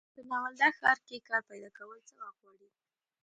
په ناولده ښار کې کار پیداکول څه وخت غواړي.